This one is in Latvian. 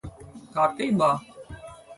Kārtībā?